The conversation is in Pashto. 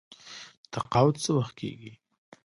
تقاعد څه وخت کیږي؟